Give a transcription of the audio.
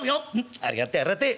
ありがてえありがてえ。